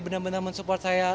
benar benar mensupport saya